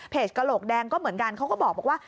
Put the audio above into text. กระโหลกแดงก็เหมือนกันเขาก็บอกว่า